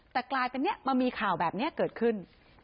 แต่กลายเป็นจะมีข่าวแบบนี้เกิดขึ้น